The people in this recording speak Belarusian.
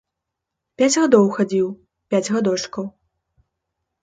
Пяць год хадзіў, пяць гадочкаў.